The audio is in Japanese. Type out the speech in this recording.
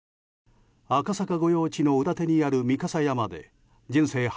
赤坂御用地の裏手にある三笠山で人生